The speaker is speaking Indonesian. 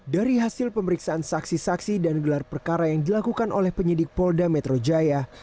dari hasil pemeriksaan saksi saksi dan gelar perkara yang dilakukan oleh penyidik polda metro jaya